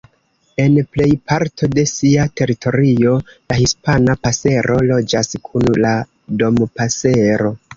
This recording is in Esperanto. En plej parto de sia teritorio, la Hispana pasero loĝas kun la Dompasero.